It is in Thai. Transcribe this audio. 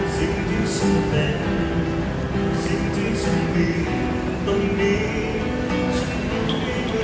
สิ่งที่ฉันเป็นสิ่งที่ฉันมีตรงนี้